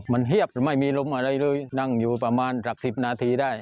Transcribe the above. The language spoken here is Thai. มันเฮียบหรือไม่มีลมอะไรเลยนั่งอยู่ประมาณสัก๑๐นาทีได้